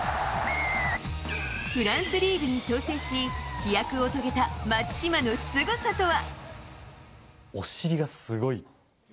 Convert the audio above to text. フランスリーグに挑戦し飛躍を遂げた松島のすごさとは。